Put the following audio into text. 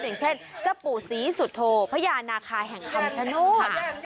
อย่างเช่นสปุศีสุโทพญานาคาแห่งคำชโน่ค่ะ